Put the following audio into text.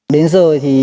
đến giờ thì